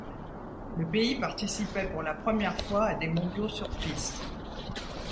Le pays participait pour la première fois à des mondiaux sur piste.